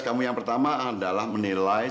kamu yang pertama adalah menilai